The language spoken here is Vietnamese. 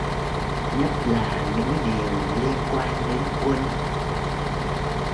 Nhất là những điều liên quan đến quân